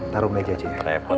taruh meja aja ya